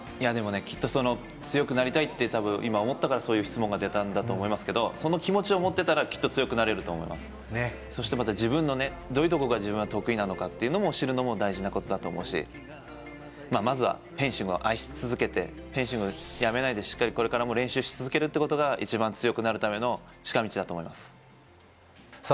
きっと強くなりたいって多分今思ったからそういう質問が出たんだと思いますけどその気持ちを持ってたらきっと強くなれると思いますそしてまた自分のねどういうとこが自分は得意なのかっていうのも知るのも大事なことだと思うしまずはフェンシングを愛し続けてフェンシングやめないでしっかりこれからも練習し続けるってことが一番強くなるための近道だと思いますさあ